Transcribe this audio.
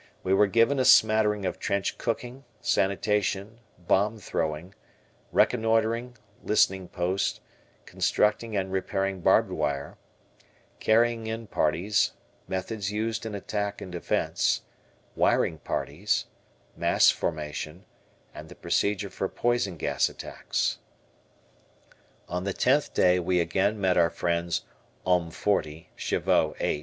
We were given a smattering of trench cooking, sanitation, bomb throwing, reconnoitering, listening posts, constructing and repairing barbed wire, "carrying in" parties, methods used in attack and defense, wiring parties, mass formation, and the procedure for poison gas attacks. On the tenth day we again met our friends "Hommes 40, Chevaux 8."